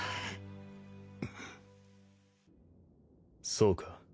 そうか。